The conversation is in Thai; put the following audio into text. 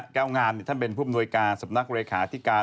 แก้วงานท่านเบนผู้บุญโนยการสำนักโรยคาที่การ